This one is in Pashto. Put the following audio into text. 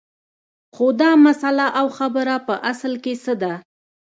خو دا مسله او خبره په اصل کې څه ده